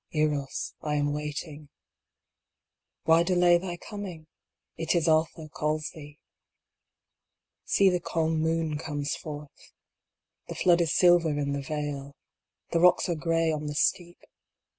Eros, I am waiting. Why delay thy coming ? It is Atha calls thee. See the calm moon comes forth. The flood is silver in the vale. The rocks are gray on the steep.